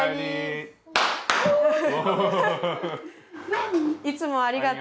何？